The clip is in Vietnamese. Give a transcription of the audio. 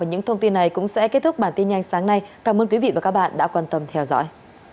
những thông tin này cũng sẽ kết thúc bản tin nhanh sáng nay cảm ơn quý vị và các bạn đã quan tâm theo dõi